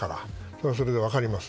それはそれで分かります。